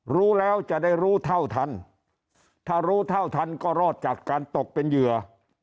รู้แล้วจะได้รู้เท่าทันถ้ารู้เท่าทันก็รอดจากการตกเป็นเหยื่อ